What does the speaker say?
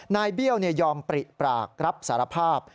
เบี้ยวยอมปริปากรับสารภาพ